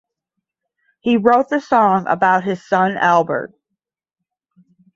He wrote the song about his son Albert.